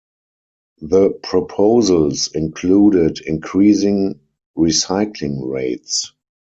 The proposals included increasing recycling rates.